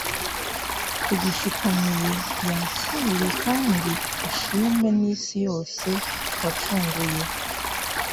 tugushikaniye yakire kand'ushime n'isi yose wacunguye